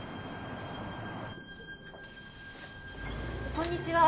こんにちは。